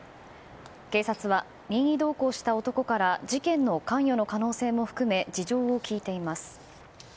警察は任意同行した男から事件の関与の可能性も含め事情を聴いています。